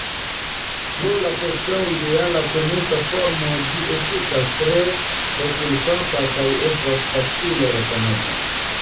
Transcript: Pro la preskaŭ ideala konusa formo ĝi efikas tre okulfrapa kaj estas facile rekonebla.